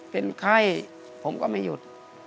เป็นไข้ผมก็ไม่หยุด